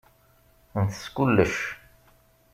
Ntess kullec.